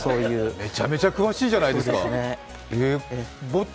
めちゃめちゃ詳しいじゃないですか。